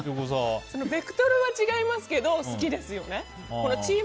ベクトルは違いますけど好きですよね。